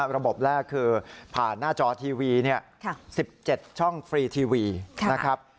ระบบแรกคือผ่านหน้าจอทีวี๑๗ช่องฟรีทีวีนะครับ